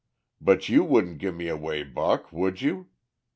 But you wouldn't give me away, Buck, would you?